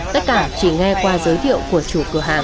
tất cả chỉ nghe qua giới thiệu của chủ cửa hàng